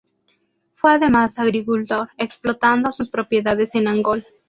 Fue además agricultor, explotando sus propiedades en Angol.